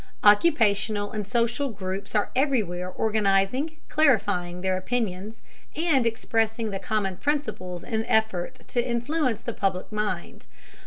Occupational and social groups are everywhere organizing, clarifying their opinions, and expressing common principles in the effort to influence the public mind.